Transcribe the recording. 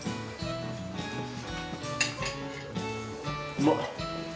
うまっ。